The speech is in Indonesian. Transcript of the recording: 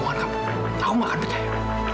aku gak akan percaya